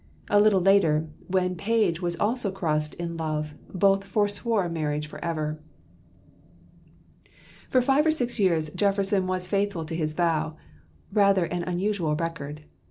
A little later, when Page was also crossed in love, both forswore marriage forever. For five or six years, Jefferson was faithful to his vow rather an unusual record.